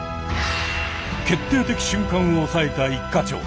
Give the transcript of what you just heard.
決定的瞬間をおさえた一課長。